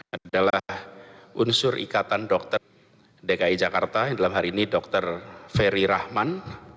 adalah unsur ikatan dokter dki jakarta yang dalam hari ini dokter ferry rahman